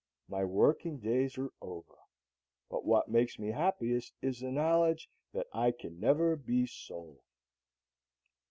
My working days are over. But what makes me happiest is the knowledge that I can never be sold.